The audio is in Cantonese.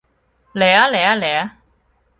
嚟吖嚟吖嚟吖